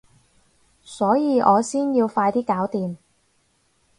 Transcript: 所以我先要快啲搞掂